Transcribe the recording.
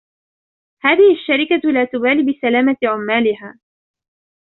هذه الشركة لا تبالي بسلامة عمالها.